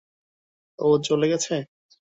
ও চলে গেছে?